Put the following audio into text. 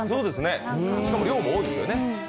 しかも量が多いですよね。